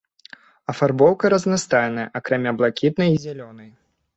Афарбоўка разнастайная, акрамя блакітнай і зялёнай.